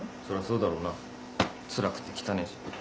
そりゃそうだろうなつらくて汚えし。